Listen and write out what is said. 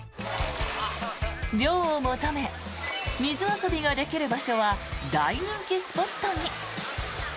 涼を求め水遊びができる場所は大人気スポットに。